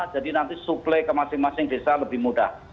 jadi nanti suplai ke masing masing desa lebih mudah